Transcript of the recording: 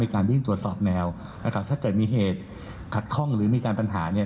การวิ่งตรวจสอบแนวนะครับถ้าเกิดมีเหตุขัดข้องหรือมีการปัญหาเนี่ย